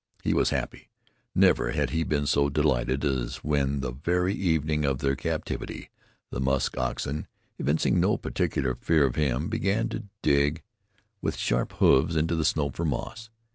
He was happy. Never had he been so delighted as when, the very evening of their captivity, the musk oxen, evincing no particular fear of him, began to dig with sharp hoofs into the snow for moss.